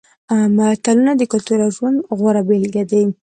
متلونه د کلتور او ژوند غوره بېلګې دي